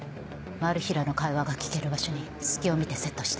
マル被らの会話が聞ける場所に隙を見てセットして。